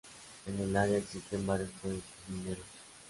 En el área existen varios proyectos mineros.